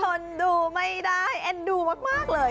นดูไม่ได้เอ็นดูมากเลย